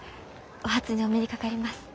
お初にお目にかかります。